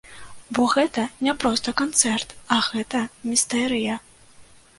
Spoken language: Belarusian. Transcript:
Бо гэта не проста канцэрт, а гэта містэрыя.